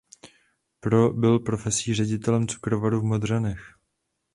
Byl profesí ředitelem cukrovaru v Modřanech.